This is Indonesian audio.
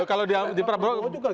kalau di prabowo juga